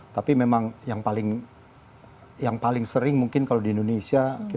tapi memang yang paling sering mungkin kalau di indonesia